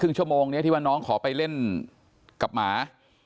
ซึ่งชั่วโมงนี้ที่ว่าน้องขอไปเล่นกับหมา